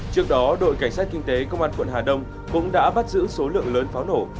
trước đó đội cảnh sát kinh tế công an quận hà đông cũng đã bắt giữ số lượng lớn pháo nổ